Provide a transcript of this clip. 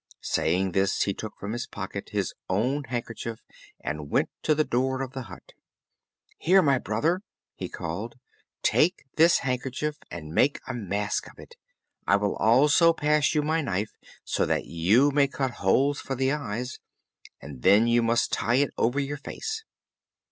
Saying this he took from his pocket his own handkerchief and went to the door of the hut. "Here, my Brother," he called, "take this handkerchief and make a mask of it. I will also pass you my knife, so that you may cut holes for the eyes, and then you must tie it over your face."